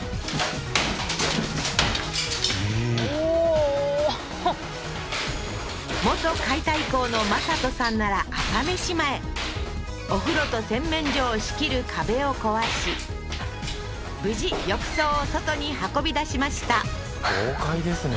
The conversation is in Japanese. おおー元解体工の魔裟斗さんなら朝飯前お風呂と洗面所を仕切る壁を壊し無事浴槽を外に運び出しました豪快ですね